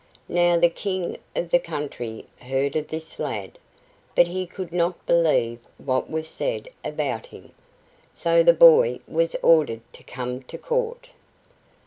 Now the King of the country heard of this lad, but he would not believe what was said about him, so the boy was ordered to come to court.